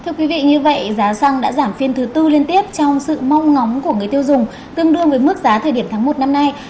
thưa quý vị như vậy giá xăng đã giảm phiên thứ tư liên tiếp trong sự mong ngóng của người tiêu dùng tương đương với mức giá thời điểm tháng một năm nay